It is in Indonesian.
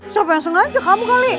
siapa yang sengaja kamu kali